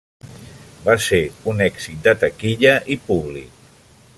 Va ser un èxit de taquilla i públic.